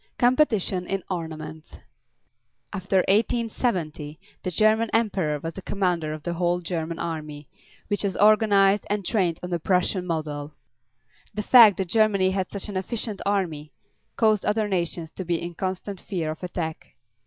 COMPETITION IN ARMAMENTS. After 1870 the German emperor was the commander of the whole German army, which was organized and trained on the Prussian model. The fact that Germany had such an efficient army caused other nations to be in constant fear of attack.